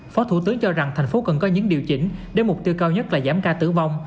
phó thủ tướng cho rằng thành phố cần có những điều chỉnh để mục tiêu cao nhất là giảm ca tử vong